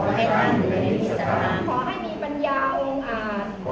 ขอให้มีปัญญาโอ้งอาจ